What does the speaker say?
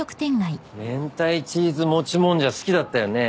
明太チーズもちもんじゃ好きだったよね？